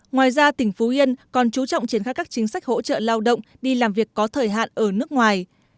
ngoài ra tỉnh phú yên còn chú trọng triển khai các chính sách hỗ trợ lao động đi làm việc có thời hạn ở nước ngoài